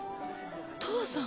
父さん。